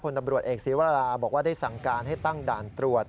ตำรวจเอกศีวราบอกว่าได้สั่งการให้ตั้งด่านตรวจ